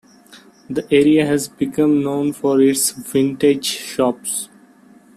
The area has become known for its vintage shops.